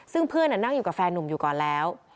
ซึ่งเพื่อนนั่งอยู่กับแฟนนุ่มอยู่ก่อนแล้ว